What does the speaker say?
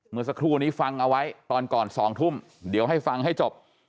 เมื่อสักครู่นี้ฟังเอาไว้ตอนก่อน๒ทุ่มเดี๋ยวให้ฟังให้จบ